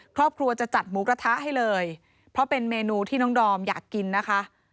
ครอบครัวจะจัดหมูกระทะให้เลยเพราะเป็นเมนูที่น้องดอมอยากกินนะคะ